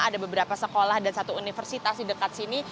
ada beberapa sekolah dan satu universitas di dekat sini